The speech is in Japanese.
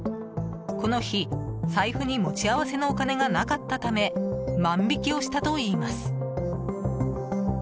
この日、財布に持ち合わせのお金がなかったため万引きをしたといいます。